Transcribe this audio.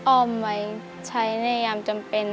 อ้อมไว้ใช้ในยามจำเป็น